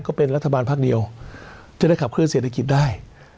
ก็เป็นรัฐบาลพักเดียวจะได้ขับเคลื่อเศรษฐกิจได้